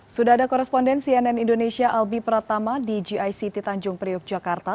sudah ada koresponden cnn indonesia albi pratama di gict tanjung priok jakarta